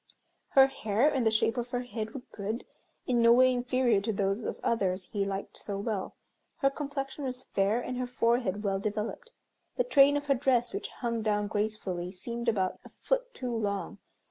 Her hair and the shape of her head were good, in no way inferior to those of others he liked so well. Her complexion was fair, and her forehead well developed. The train of her dress, which hung down gracefully, seemed about a foot too long.